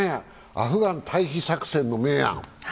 アフガン退避作戦の明暗。